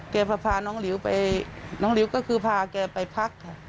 พาน้องหลิวไปน้องหลิวก็คือพาแกไปพักค่ะ